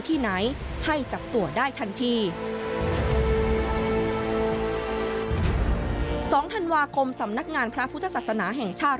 ธันวาคมสำนักงานพระพุทธศาสนาแห่งชาติ